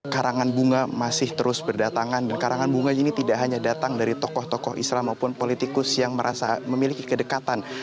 karangan bunga masih terus berdatangan dan karangan bunga ini tidak hanya datang dari tokoh tokoh islam maupun politikus yang merasa memiliki kedekatan